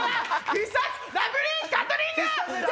必殺ラブリーガトリング！